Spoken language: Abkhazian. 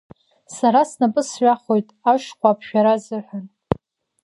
Сара снапы сҩахоит ашхәа аԥжәара азыҳәан.